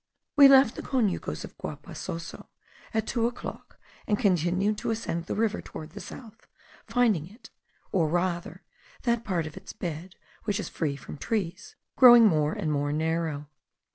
We left the conucos of Guapasoso at two o'clock; and continued to ascend the river toward the south, finding it (or rather that part of its bed which is free from trees) growing more and more narrow.